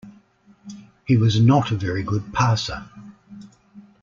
He was not a very good passer.